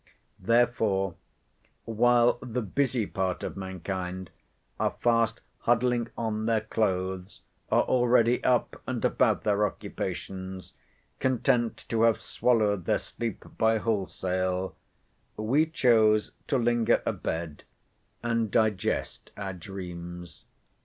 Therefore, while the busy part of mankind are fast huddling on their clothes, are already up and about their occupations, content to have swallowed their sleep by wholesale; we chose to linger a bed, and digest our dreams.